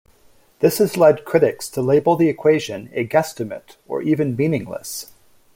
This has led critics to label the equation a guesstimate, or even meaningless.